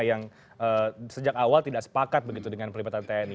yang sejak awal tidak sepakat begitu dengan pelibatan tni